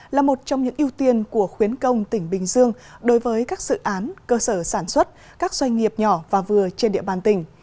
là một trong những ưu tiên của khuyến công tỉnh bình dương đối với các dự án cơ sở sản xuất các doanh nghiệp nhỏ và vừa trên địa bàn tỉnh